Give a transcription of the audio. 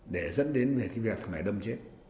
để dẫn đến về cái việc này đâm chết